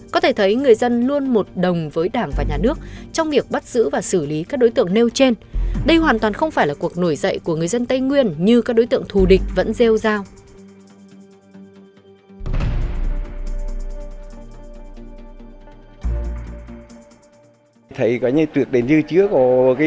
có thể thấy người dân luôn một đồng với đảng và nhà nước trong việc bắt giữ và xử lý các đối tượng nêu trên đây hoàn toàn không phải là cuộc nổi dậy của người dân tây nguyên như các đối tượng thù địch vẫn gieo giao